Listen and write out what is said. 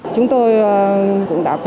chúng tôi cũng đã tìm hiểu